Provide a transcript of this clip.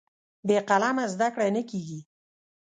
بې قلمه زده کړه نه کېږي.